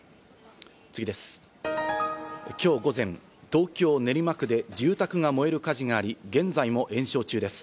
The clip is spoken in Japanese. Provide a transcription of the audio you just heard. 今日午前、東京・練馬区で住宅が燃える火事があり、現在も延焼中です。